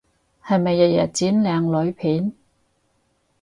係咪日日剪靚女片？